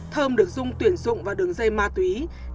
thơm được dung tuyển dụng vào đường dây ma túy